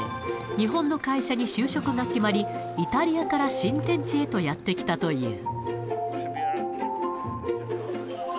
日本の会社に就職が決まり、イタリアから新天地へとやって来たという。